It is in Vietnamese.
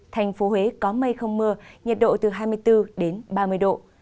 thành phố huế có mây không mưa nhiệt độ từ hai mươi bốn đến ba mươi độ